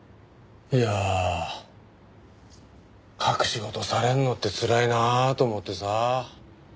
いや隠し事されるのってつらいなあと思ってさ。